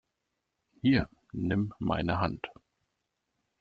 Hier, nimm meine Hand!